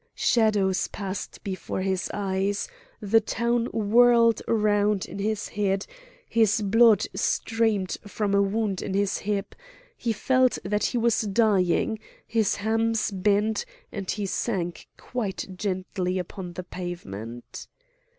Shadows passed before his eyes; the town whirled round in his head, his blood streamed from a wound in his hip, he felt that he was dying; his hams bent, and he sank quite gently upon the pavement.